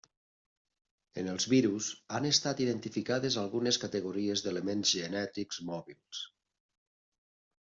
En els virus, han estat identificades algunes categories d'elements genètics mòbils.